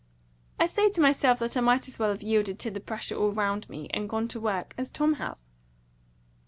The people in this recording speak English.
I say to myself that I might as well have yielded to the pressure all round me, and gone to work, as Tom has."